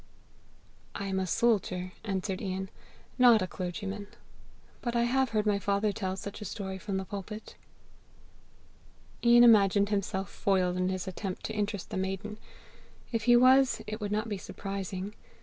"I am a soldier," answered Ian, "not a clergyman. But I have heard my father tell such a story from the pulpit." Ian imagined himself foiled in his attempt to interest the maiden. If he was, it would not be surprising.